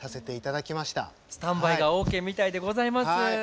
スタンバイがＯＫみたいでございます。